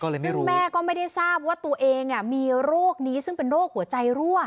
ก็เลยไม่รู้แม่ก็ไม่ได้ทราบว่าตัวเองมีโรคนี้ซึ่งเป็นโรคหัวใจรั่ว